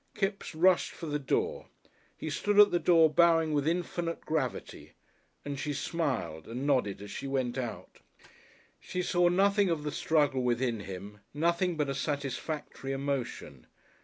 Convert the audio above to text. Kipps rushed for the door. He stood at the door bowing with infinite gravity, and she smiled and nodded as she went out. She saw nothing of the struggle within him, nothing but a satisfactory emotion.